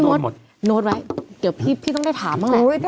นี่ไงพี่โม๊ตโน้ตไว้เดี๋ยวพี่ต้องได้ถามบ้างแหละ